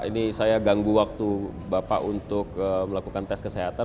ini saya ganggu waktu bapak untuk melakukan tes kesehatan